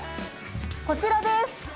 こちらです！